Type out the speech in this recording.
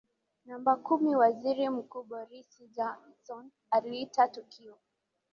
namba kumi Waziri Mkuu Boris Johnson aliita tukio